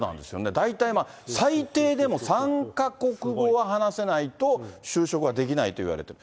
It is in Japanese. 大体、最低でも３か国語は話せないと、就職はできないといわれてる。